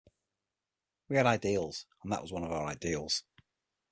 We had ideals, and that was one of our ideals.